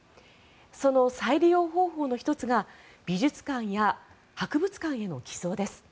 その再利用方法の１つが美術館や博物館への寄贈です。